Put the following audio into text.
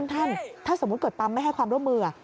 ท่านถ้าสมมุติเกิดปั๊มไม่ให้ความร่วมมือ